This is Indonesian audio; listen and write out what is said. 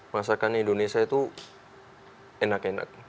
masakan indonesia itu enak enak